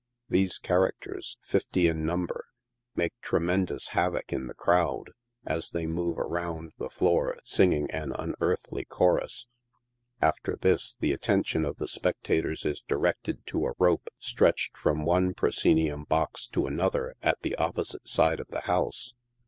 These characters, fifty in number, make tremendous havoc in the crowd, as they move around the floor singing an unearthly chorus. Alter this, the attention of the spectators is directed to a rope stretched from one proscenium box to another at the opposite side of the house.